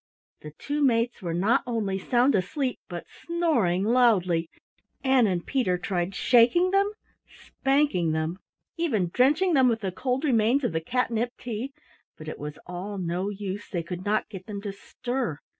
The two mates were not only sound asleep but snoring loudly. Ann and Peter tried shaking them, spanking them, even drenching them with the cold remains of the catnip tea, but it was all no use, they could not get them to stir.